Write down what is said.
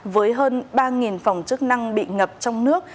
với hơn ba phòng chức năng bị ngập trong nước